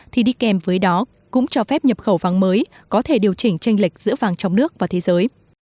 thì đi kèm với đó cũng cho phép nhập khẩu vàng mới có thể điều chỉnh tranh lịch giữa vàng trong nước và thế giới